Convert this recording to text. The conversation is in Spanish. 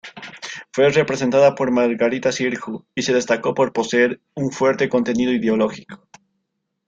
Fue representada por Margarita Xirgu, y se destacó por poseer un fuerte contenido ideológico.